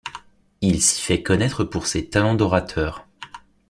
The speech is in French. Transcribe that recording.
Il s’y fait connaître pour ses talents d’orateur.